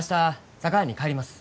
佐川に帰ります。